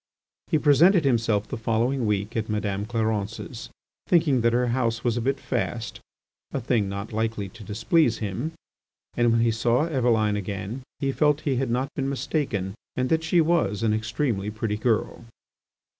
He presented himself the following week at Madame Clarence's, thinking that her house was a bit fast—a thing not likely to displease him—and when he saw Eveline again he felt he had not been mistaken and that she was an extremely pretty girl.